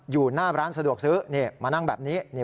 อยู่หน้าร้านสะดวกซื้อมานั่งแบบนี้